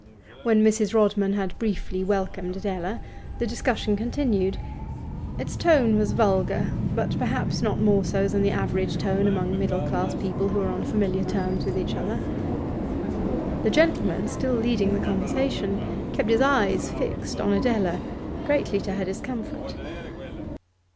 When Mrs. Rodman had briefly welcomed Adela, the discussion continued. Its tone was vulgar, but perhaps not more so than the average tone among middle class people who are on familiar terms with each other. The gentleman, still leading the conversation, kept his eyes fixed on Adela, greatly to her discomfort.